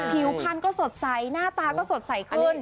ผิวพันธุ์ก็สดใสหน้าตาก็สดใสขึ้น